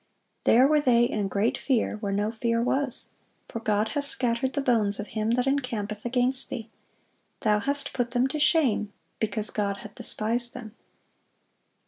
"There were they in great fear, where no fear was: for God hath scattered the bones of him that encampeth against thee: thou hast put them to shame, because God hath despised them."